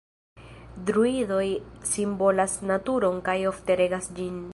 Druidoj simbolas naturon kaj ofte regas ĝin.